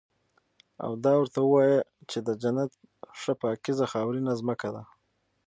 او دا ورته ووايه چې د جنت ښه پاکيزه خاورينه زمکه ده